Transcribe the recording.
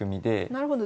なるほど。